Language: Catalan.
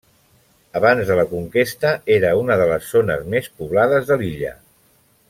Abans de la conquesta era una de les zones més poblades de l'illa.